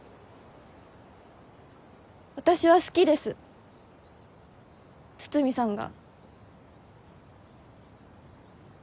私は好きです筒見さんが。